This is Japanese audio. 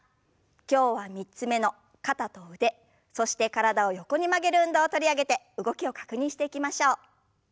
今日は３つ目の肩と腕そして体を横に曲げる運動を取り上げて動きを確認していきましょう。